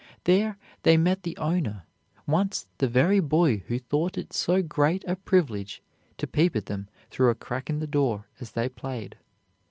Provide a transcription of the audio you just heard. There they met the owner, once the very boy who thought it so great a privilege to peep at them through a crack in the door as they played.